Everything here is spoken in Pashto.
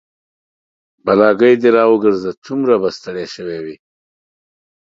بلاګي د راوګرځه سومره به ستړى شوى وي